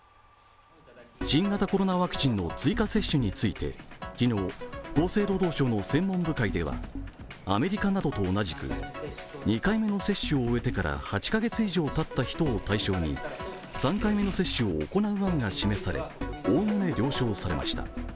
新型コロナワクチンの追加接種について昨日、厚生労働省の専門部会ではアメリカなどと同じく、２回目の接種を終えてから８カ月以上たった人を対象に３回目の接種を行う案が示されおおむね了承されました。